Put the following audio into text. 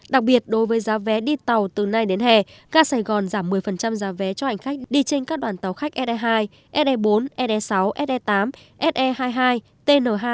đặc biệt đối với giá vé đi tàu từ nay đến hè ga sài gòn giảm một mươi giá vé cho hành khách đi trên các đoàn tàu khách se hai se bốn se sáu se tám se hai mươi hai tn hai